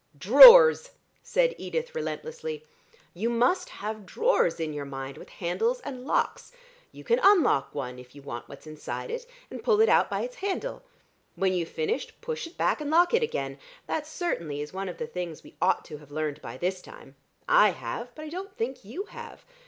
"Drawers!" said Edith relentlessly. "You must have drawers in your mind with handles and locks. You can unlock one, if you want what's inside it, and pull it out by its handle. When you've finished, push it back and lock it again. That certainly is one of the things we ought to have learned by this time. I have, but I don't think you have.